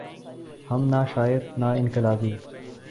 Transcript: ہم نہ شاعر نہ انقلابی۔